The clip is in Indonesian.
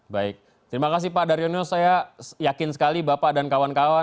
baik terima kasih pak daryono saya yakin sekali bapak dan kawan kawan